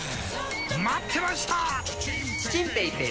待ってました！